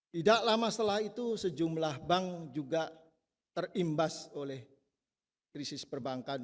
tidak lama setelah itu sejumlah bank juga terimbas oleh krisis perbankan